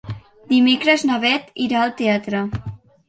Dimecres na Beth irà al teatre.